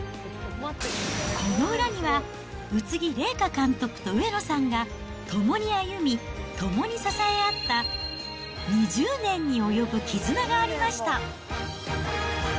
この裏には、宇津木麗華監督と上野さんが共に歩み、共に支え合った２０年に及ぶ絆がありました。